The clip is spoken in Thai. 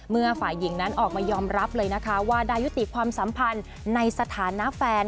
ฝ่ายหญิงนั้นออกมายอมรับเลยนะคะว่าได้ยุติความสัมพันธ์ในสถานะแฟน